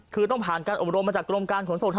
คือต้องผ่านการอบรมมาจากกรมการขนส่งทาง